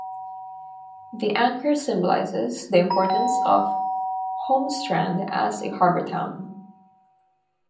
The anchor symbolises the importance of Holmestrand as a harbour town.